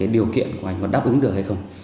điều kiện của anh có đáp ứng được hay không